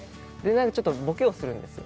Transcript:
ちょっとボケをするんですよ